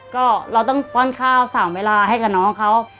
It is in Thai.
ก็เราต้องป้อนข้าว๓เวลาให้กับน้องเขา